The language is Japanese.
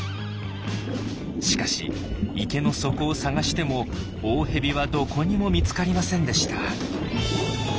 しかし池の底を探しても大蛇はどこにも見つかりませんでした。